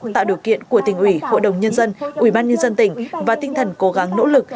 tạo điều kiện của tỉnh ủy hội đồng nhân dân ủy ban nhân dân tỉnh và tinh thần cố gắng nỗ lực